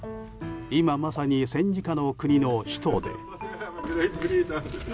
今、まさに戦時下の国の首都で。